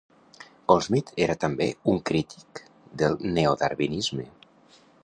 Goldsmith era també un crític del neodarwinisme.